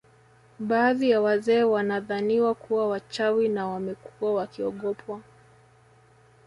Baadhi ya wazee wanadhaniwa kuwa wachawi na wamekuwa wakiogopwa